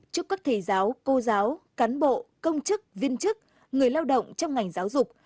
chúc các thầy giáo cô giáo cán bộ công chức viên chức người lao động trong ngành giáo dục